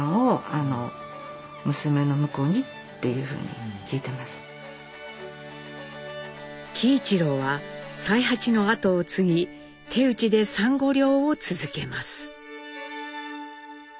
森さんの喜一郎は才八の後を継ぎ手打でサンゴ漁を続けます。